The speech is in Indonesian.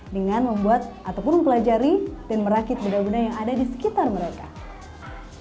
dengan membuat mereka lebih berkembang dan lebih berkembang